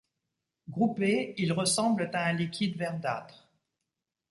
Groupés, ils ressemblent à un liquide verdâtre.